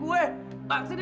saya udah menang tiga kali